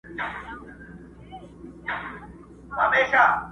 پس له وخته به روان وو كږه غاړه٫